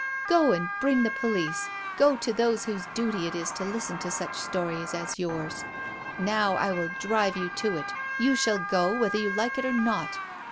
Go, and bring the police. Go to those whose duty it is to listen to such stories as yours. Now I will drive you to it; you shall go, whether you like it or not.